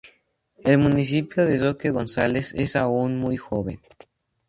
El municipio de Roque Gonzales es aún muy joven.